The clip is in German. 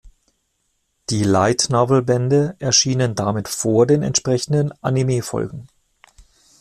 Die Light-Novel-Bände erschienen damit vor den entsprechenden Anime-Folgen.